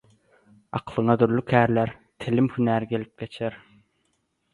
Aklyňa dürli kärler, telim hünär gelip geçer.